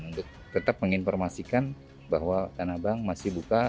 untuk tetap menginformasikan bahwa tanah abang masih buka